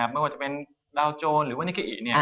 ไม่ว่าจะเป็นดาวโจรหรือว่านิกิอิ